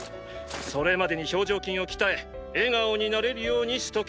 それまでに表情筋を鍛え笑顔になれるようにしとけ。